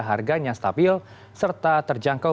harganya stabil serta terjangkau